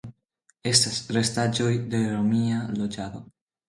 Estas restaĵoj de romia loĝado.